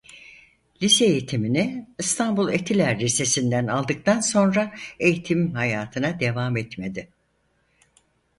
Lise eğitimini İstanbul Etiler Lisesinden aldıktan sonra eğitim hayatına devam etmedi.